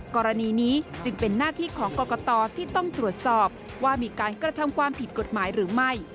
กรณีนี้จึงเป็นหน้าที่ของกรกตที่ต้องตรวจสอบว่ามีการกระทำความผิดกฎหมายหรือไม่